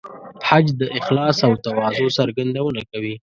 حج د اخلاص او تواضع څرګندونه کوي.